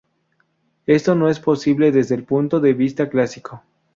Esto no es posible desde el punto de vista clásico.